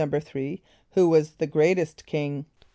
= =3.= Who was the greatest king?